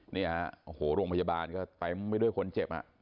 เนี้ยโอ้โหโรงพยาบาลก็ไปไม่ด้วยคนเจ็บอ่ะ